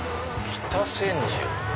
北千住。